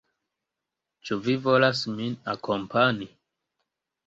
Ĉu vi volas min akompani?